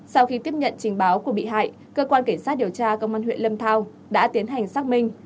sau khi tiếp nhận trình báo của bị hại cơ quan cảnh sát điều tra công an huyện lâm thao đã tiến hành xác minh